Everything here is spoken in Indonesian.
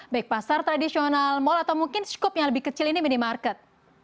baik pasar tradisional mal atau mungkin skup yang lebih kecil ini minimarket